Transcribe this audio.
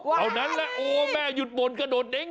เท่านั้นแหละโอ้แม่หยุดบ่นกระโดดเด้ง